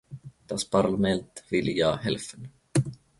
Das Parlament will ja helfen.